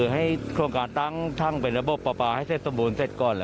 ให้โครงการตั้งระบบป่าให้เซ็นสมบูรณ์เซ็นก่อนสมบูรณ์ละ